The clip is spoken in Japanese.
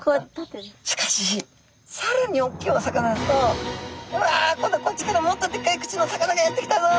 しかしさらに大きいお魚だと「うわ今度こっちからもっとでっかい口のお魚がやって来たぞ」